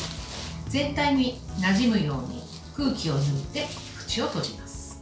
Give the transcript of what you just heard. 全体になじむように空気を抜いて口を閉じます。